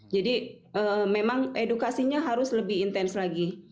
jadi memang edukasinya harus lebih intens lagi